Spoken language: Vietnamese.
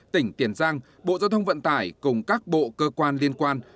tỉnh tiền giang bộ giao thông vận tải cùng các bộ cơ quan liên quan